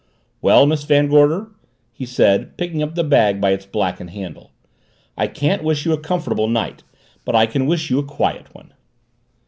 "Well, Miss Van Gorder," he said, picking up the bag by its blackened handle, "I can't wish you a comfortable night but I can wish you a quiet one."